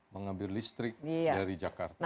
mengambil listrik dari jakarta